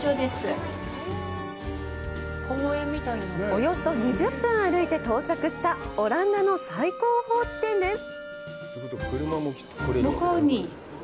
およそ２０分歩いて到着したオランダの最高峰地点です。